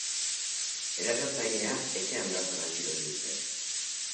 Erasotzailea etxean bertan atxilotu dute.